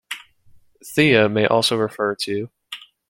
"Theia may also refer to:"